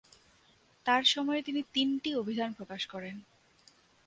তার সময়ে তিনি তিনটি অভিধান প্রকাশ করেন।